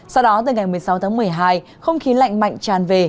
sau đó từ ngày một mươi sáu tháng một mươi hai không khí lạnh mạnh tràn về